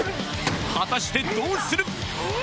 果たしてどうする？